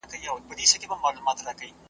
یو تعویذ درڅخه غواړمه غښتلی .